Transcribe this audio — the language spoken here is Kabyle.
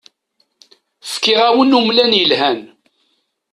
Fkiɣ-awen umlan yelhan.